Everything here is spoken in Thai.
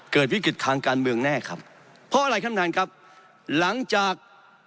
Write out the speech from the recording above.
เกิดวิกฤตทางการเมืองแน่ครับเพราะอะไรท่านประธานครับหลังจาก